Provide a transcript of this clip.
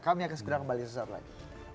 kami akan segera kembali sesaat lagi